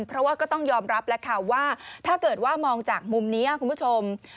เพราะว่าก็ต้องยอมรับแล้วค่ะว่าถ้าเกิดว่ามองจากมุมนี้คุณผู้ชม